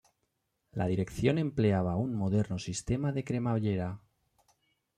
La dirección empleaba un moderno sistema de cremallera.